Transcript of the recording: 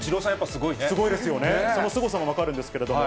すごいですよね、そのすごさも分かるんですけれども。